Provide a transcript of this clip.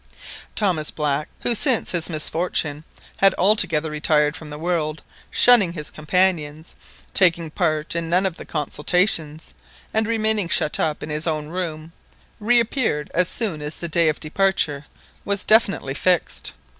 Thomas Black, who since his misfortune had altogether retired from the world, shunning his companions, taking part in none of the consultations, and remaining shut up in his own room, reappeared as soon as the day of departure was definitely fixed.